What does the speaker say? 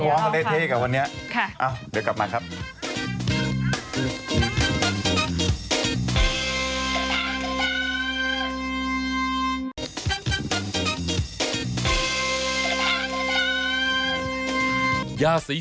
โอ้โฮเท่กับวันนี้